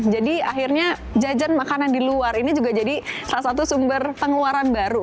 jadi akhirnya jajan makanan di luar ini juga jadi salah satu sumber pengeluaran baru